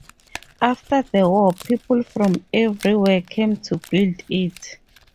After the war, people from every where came to build it.